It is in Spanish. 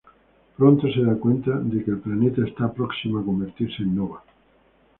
Pronto se da cuenta de que el planeta está próximo a convertirse en nova.